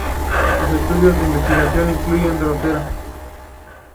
Sus estudios de investigación incluyen "Drosera".